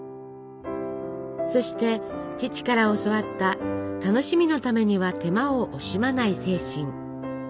そして父から教わった楽しみのためには手間を惜しまない精神。